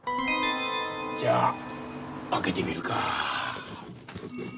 じゃあ開けてみるか。